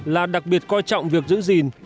là đặc biệt coi trọng việc giữ gìn